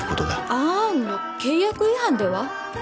「あん」は契約違反では！？